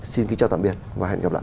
xin kính chào tạm biệt và hẹn gặp lại